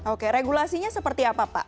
oke regulasinya seperti apa pak